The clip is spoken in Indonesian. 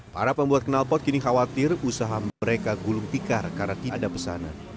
para pembuat kenalpot kini khawatir usaha mereka gulung tikar karena tidak ada pesanan